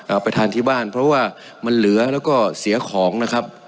เอาไปทานที่บ้านเพราะว่ามันเหลือแล้วก็เสียของนะครับ